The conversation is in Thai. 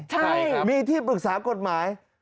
ใช่มีที่ปรึกษากฎหมาย